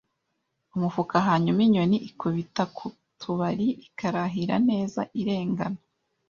umufuka, hanyuma inyoni ikubita ku tubari ikarahira neza, irengana